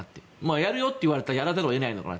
やるよっていわれたらやらざるを得ないのかなと。